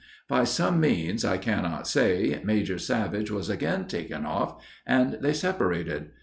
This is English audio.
By some means I cannot say, Major Savage was again taken off, and they separated.